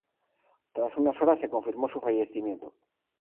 Tras unas horas se confirmó su fallecimiento.